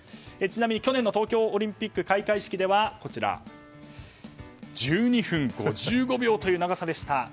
ちなみに去年の東京オリンピック開会式では１２分５５秒という長さでした。